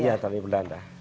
iya dari belanda